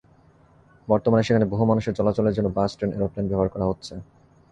বর্তমানে সেখানে বহু মানুষের চলাচলের জন্য বাস, ট্রেন, অ্যারোপ্লেন ব্যবহার করা হচ্ছে।